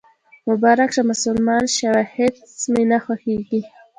مبارک شه، مسلمان شوېهیڅ مې نه خوښیږي